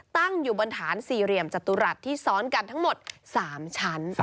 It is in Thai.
ตั้งอยู่บนฐานสี่เหลี่ยมจตุรัสที่ซ้อนกันทั้งหมด๓ชั้น